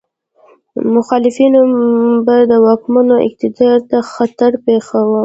مخالفینو به د واکمنو اقتدار ته خطر پېښاوه.